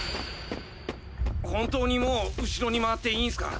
本当にもう後ろに回っていいんスか？